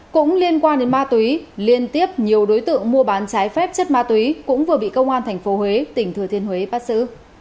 cũng liên quan đến ma túy liên tiếp nhiều đối tượng mua bán trái phép chất ma túy cũng vừa bị công an tp huế tỉnh thừa thiên huế bắt xử